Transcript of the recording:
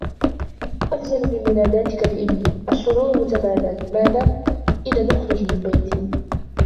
أخجل من مناداتك بابني. "الشعور متبادل". "ماذا؟ إذن اخرج من بيتي!".